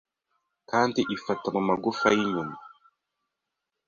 Kandi ifata mumagufa yinyuma